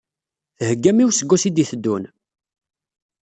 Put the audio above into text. Theggam i useggas i d-iteddun?